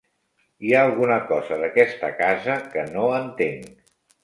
Hi ha alguna cosa d'aquesta casa que no entenc.